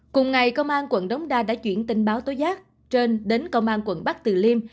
cùng ngày công an quận đống đa đã chuyển tin báo tối giác trên đến công an quận bắc từ liêm